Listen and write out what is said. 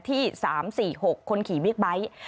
ที่๓๔๖คนขี่บิ๊กไบท์